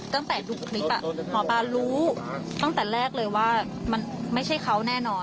ตั้งแต่ดูคลิปหมอปลารู้ตั้งแต่แรกเลยว่ามันไม่ใช่เขาแน่นอน